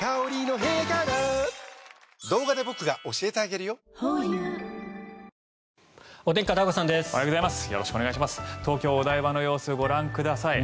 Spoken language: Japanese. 東京・お台場の様子ご覧ください。